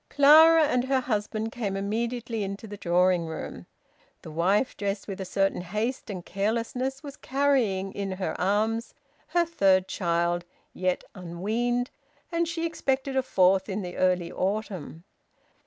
Clara and her husband came immediately into the drawing room. The wife, dressed with a certain haste and carelessness, was carrying in her arms her third child, yet unweaned, and she expected a fourth in the early autumn.